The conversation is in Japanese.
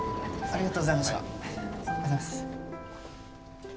ありがとうございます。